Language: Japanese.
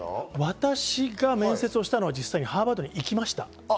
私が面接をしたのは実際にハーバードに行きました。